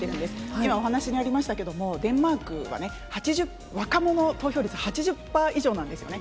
今、お話にありましたけれども、デンマークはね、若者の投票率８０パー以上なんですね。